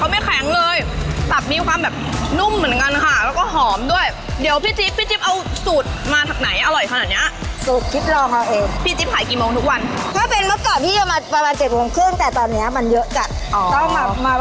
อ๋อต้องมาประมาณ๙โมงถึงทุ่มนึง